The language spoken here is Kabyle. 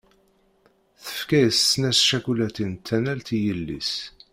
Tefka-as snat tcakulatin d tanalt i yelli-s.